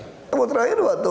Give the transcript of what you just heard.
ketemu terakhir waktu